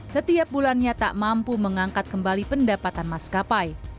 setiap bulannya tak mampu mengangkat kembali pendapatan maskapai